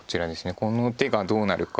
この手がどうなるか。